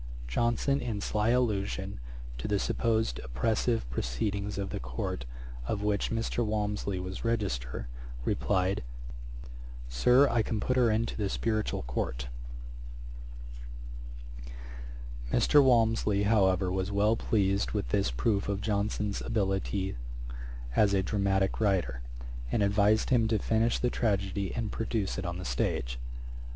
Johnson, in sly allusion to the supposed oppressive proceedings of the court of which Mr. Walmsley was register, replied, 'Sir, I can put her into the Spiritual Court!' [Page 101: Johnson tries his fortune in London. Ætat 27.] Mr. Walmsley, however, was well pleased with this proof of Johnson's abilities as a dramatick writer, and advised him to finish the tragedy, and produce it on the stage.